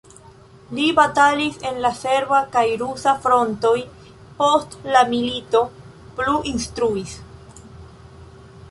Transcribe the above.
Li batalis en la serba kaj rusa frontoj, post la milito plu instruis.